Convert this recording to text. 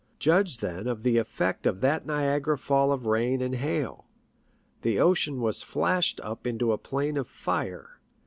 Judge then of the effect of that Niagara fall of rain and hail! The ocean was flashed up into a plain of fire.